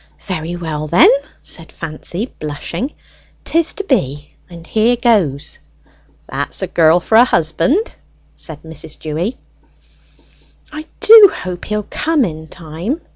"Very well, then," said Fancy, blushing. "'Tis to be, and here goes!" "That's a girl for a husband!" said Mrs. Dewy. "I do hope he'll come in time!"